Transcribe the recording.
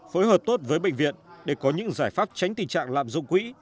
phối hợp tốt với bệnh viện để có những giải pháp tránh tình trạng lạm dụng quỹ